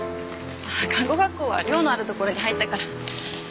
看護学校は寮のあるところに入ったから。